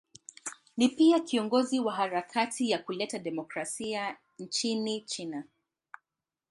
Ni pia kiongozi wa harakati ya kuleta demokrasia nchini China.